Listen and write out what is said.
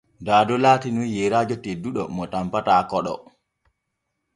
Daado laatinun yeyraajo tedduɗo mo tanpata koɗo.